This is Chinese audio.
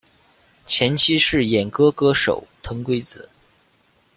前妻是演歌歌手藤圭子。